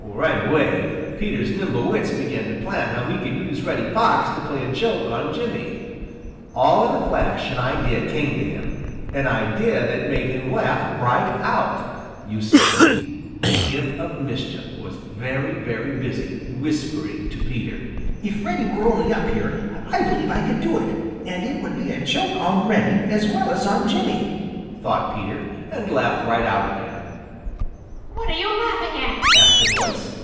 Right away, Peter's nimble wits began to plan how he could use Reddy Fox to play a joke on Jimmy. All in a flash an idea came to him, an idea that made him laugh right out. You see, the Imp of Mischief was very, very busy whispering to Peter. "If Reddy were only up here, I believe I could do it, and it would be a joke on Reddy as well as on Jimmy," thought Peter, and laughed right out again. "What are you laughing at?" asked a voice.